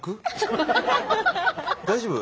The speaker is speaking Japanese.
大丈夫？